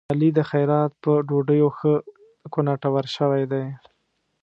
علي د خیرات په ډوډيو ښه کوناټور شوی دی.